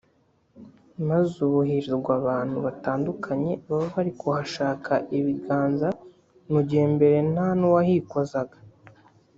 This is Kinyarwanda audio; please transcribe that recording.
Maze ubu hirirwa abantu batandukanye baba bari kuhashaka ibibanza mu gihe mbere nta n’uwahikozaga